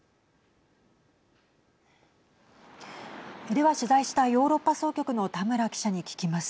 では取材したヨーロッパ総局の田村記者に聞きます。